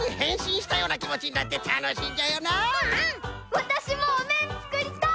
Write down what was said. わたしもおめんつくりたい！